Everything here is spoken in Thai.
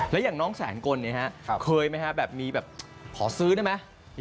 แล้วอย่างน้องแสนกลเคยไหมฮะแบบมีแบบขอซื้อได้ไหม